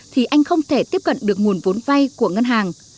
thì anh không thể tiếp cận được nguồn vốn vay của ngân hàng